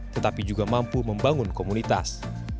tetapi juga mampu membangun komunitas